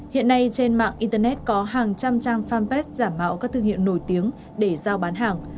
hiện nay trên mạng internet có hàng trăm trang fanpage giả mạo các thương hiệu nổi tiếng để giao bán hàng